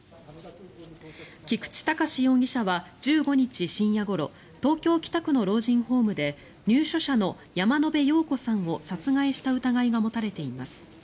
菊池隆容疑者は１５日深夜ごろ東京・北区の老人ホームで入所者の山野辺陽子さんを殺害した疑いが持たれています。